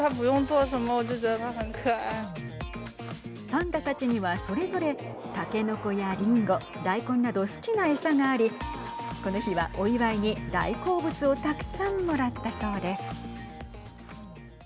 パンダたちには、それぞれたけのこやりんご大根など好きな餌がありこの日はお祝いに大好物をたくさんもらったそうです。